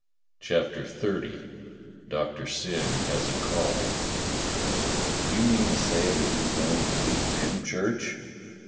CHAPTER XXX DOCTOR SYN HAS A "cALL" DO YOU mean to say that you're going to leave Dymchurch?"